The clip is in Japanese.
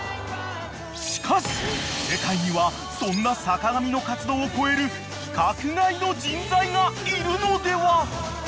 ［しかし世界にはそんな坂上の活動を超える規格外の人材がいるのでは！？］